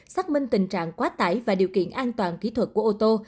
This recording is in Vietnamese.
xác minh tình trạng quá tải và điều kiện an toàn kỹ thuật của ô tô